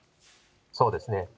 そうですね。